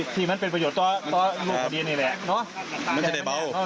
ที่มันเป็นประโยชน์ต่อลูกของเรียนเลยเนี่ยเนาะ